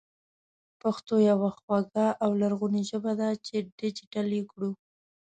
پښتو يوه خواږه او لرغونې ژبه ده چې ډېجېټل يې کړو